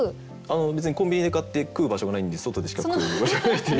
別にコンビニで買って食う場所がないんで外でしか食う場所がないっていう。